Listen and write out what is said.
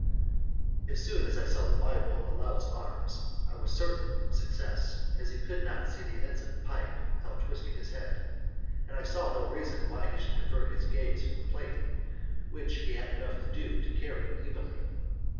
As soon as I saw the Bible in the lout's arms I was certain of success, as he could not see the ends of the pike without twisting his head, and I saw no reason why he should divert his gaze from the plate, which he had enough to do to carry evenly.